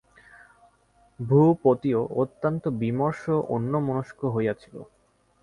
ভূপতিও অত্যন্ত বিমর্ষ অন্যমনস্ক হইয়া ছিল।